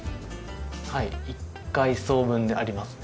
はい１階層分ありますね。